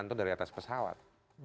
itu dari atas pesawat